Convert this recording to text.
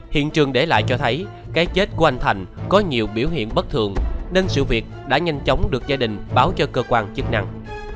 hiện trường để lại cho thấy cái chết của anh thành có nhiều biểu hiện bất thường nên sự việc đã nhanh chóng được gia đình báo cho cơ quan chức năng